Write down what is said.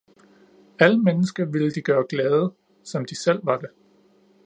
Alle mennesker ville de gøre glade som de selv var det